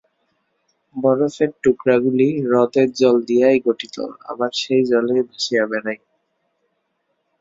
বরফের টুকরাগুলি হ্রদের জল দিয়াই গঠিত, আবার সেই জলেই ভাসিয়া বেড়ায়।